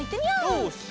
よし！